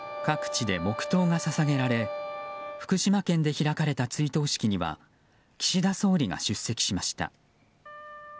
各地で黙祷が捧げられ福島県で開かれた追悼式には岸田総理が出席しました。